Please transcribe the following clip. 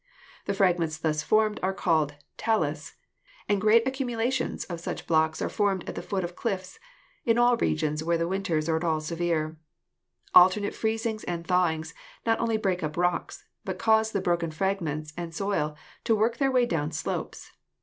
The fragments thus formed are called talus, and great accumu lations of such blocks are formed at the foot of cliffs in all regions where the winters are at all severe. Alternate freezings and thawings not only break up rocks, but cause the broken fragments and soil to work their way down slopes.